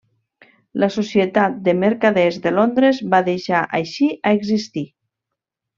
La Societat de Mercaders de Londres va deixar així a existir.